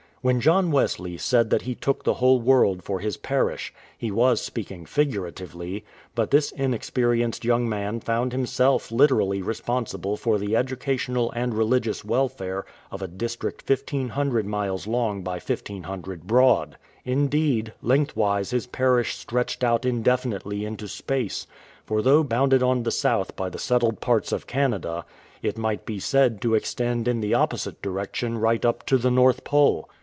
When John Wesley said that he took the whole world for his parish, he was speaking figuratively; but this in experienced young man found himself literally responsible for the educational and religious welfare of a district 1500 miles long by 1500 broad. Indeed, lengthwise his parish stretched out indefinitely into space, for though bounded on the south by the settled parts of Canada, it i88 A HUGE PARISH might be said to extend in the opposite direction right up to the North Pole.